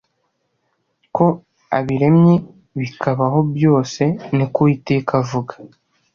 ko abiremye bikabaho byose ni ko uwiteka avuga